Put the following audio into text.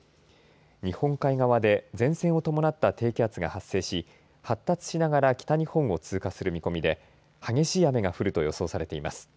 日本海側で前線を伴った低気圧が発生し発達しながら北日本を通過する見込みで激しい雨が降ると予想されています。